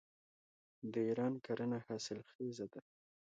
د ایران کرنه حاصلخیزه ده.